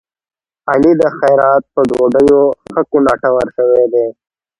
علي د خیرات په ډوډيو ښه کوناټور شوی دی.